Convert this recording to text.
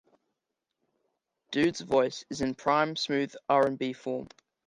Dude's voice is in prime smooth R and B form.